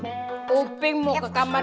muping mau ke kamar